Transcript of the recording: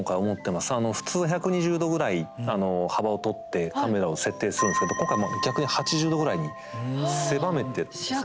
普通１２０度ぐらいあの幅をとってカメラを設定するんですけど今回逆に８０度ぐらいに狭めてるんですよ。